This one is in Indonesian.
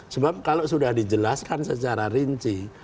sebab kalau sudah dijelaskan secara rinci